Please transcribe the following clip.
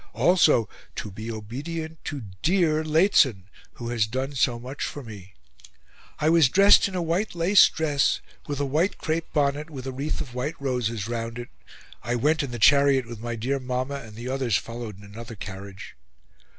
Also to be obedient to DEAR Lehzen, who has done so much for me. I was dressed in a white lace dress, with a white crepe bonnet with a wreath of white roses round it. I went in the chariot with my dear Mamma and the others followed in another carriage."